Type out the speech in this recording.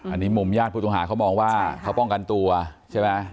อันนี้มุมญาติผู้ต้องหาเขามองว่าเขาป้องกันตัวใช่ไหม